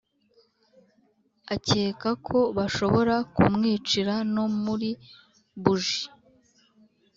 Akeka ko bashobora kumwicira no muli bougie.